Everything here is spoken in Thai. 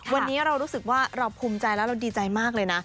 วันนี้เรารู้สึกว่าเราภูมิใจแล้วเราดีใจมากเลยนะ